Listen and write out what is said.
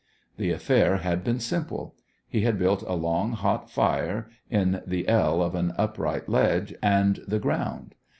The affair had been simple. He had built a long, hot fire in the L of an upright ledge and the ground.